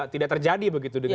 tidak terjadi begitu dengan